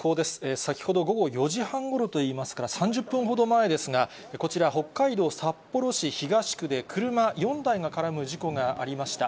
先ほど午後４時半ごろといいますから、３０分ほど前ですが、こちら、北海道札幌市東区で、車４台が絡む事故がありました。